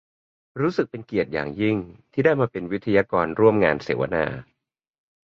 รู้สึกเป็นเกียรติอย่างยิ่ง ที่ได้มาเป็นวิทยากรร่วมงานเสาวนา